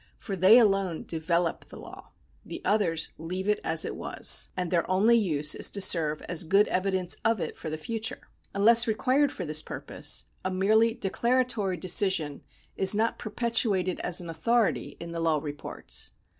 For they alone develop the law ; the others leave it as it was, § 62] PRECEDENT 161 and their onl}^ use is to serve as good evidence of it for the future. Unless required for this purpose, a merely declara tory decision is not perpetuated as an authority in the law reports.